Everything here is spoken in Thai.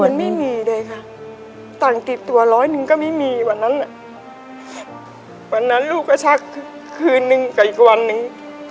มันไม่มีเลยค่ะตังค์ติดตัวร้อยหนึ่งก็ไม่มีวันนั้นวันนั้นลูกก็ชักคืนนึงกับอีกวันหนึ่ง